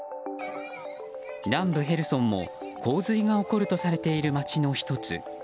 南部へルソンも洪水が起こるとされている町の１つ。